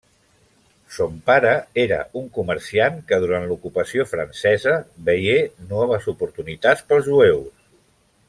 Son pare era un comerciant, que durant l'ocupació francesa, veié noves oportunitats pels jueus.